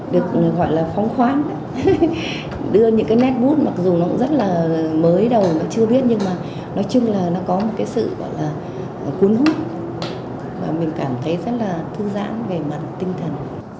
được gọi là phóng khoáng đưa những cái nét bút mặc dù nó rất là mới đầu và chưa biết nhưng mà nói chung là nó có một cái sự gọi là cuốn hút và mình cảm thấy rất là thư giãn về mặt tinh thần